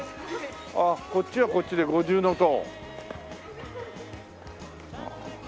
ああこっちはこっちで五重塔。